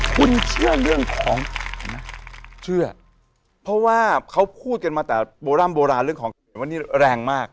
คุณเชื่อเรื่องของนะเชื่อเพราะว่าเขาพูดกันมาแต่โบร่ำโบราณเรื่องของวันนี้แรงมาก